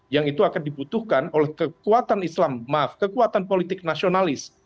yang itu akan dibutuhkan oleh kekuatan islam maaf kekuatan politik nasionalis